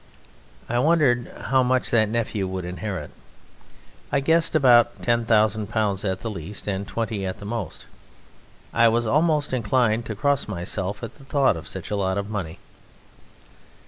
I wondered how much that nephew would inherit. I guessed about ten thousand pounds at the least, and twenty at the most. I was almost inclined to cross myself at the thought of such a lot of money.